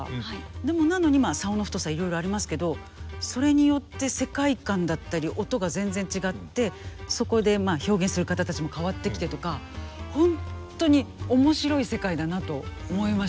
でもなのに棹の太さいろいろありますけどそれによって世界観だったり音が全然違ってそこで表現する方たちも変わってきてとかホントに面白い世界だなと思いました。